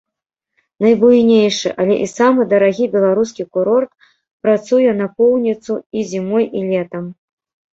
Найбуйнейшы, але і самы дарагі беларускі курорт працуе напоўніцу і зімой, і летам.